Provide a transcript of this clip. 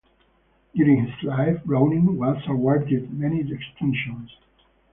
During his life Browning was awarded many distinctions.